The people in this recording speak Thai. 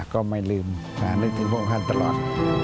ก็ไม่ลืมนึกถึงพระองค์ท่านตลอด